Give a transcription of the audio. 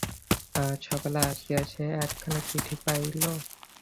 আজ সকালে আসিয়া সে একখানা চিঠি পাইল।